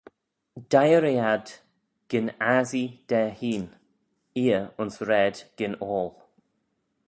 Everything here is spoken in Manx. Deiyr eh ad gyn assee da hene, eer ayns raad gyn oayll.